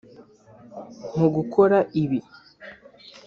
Mu gukora ibi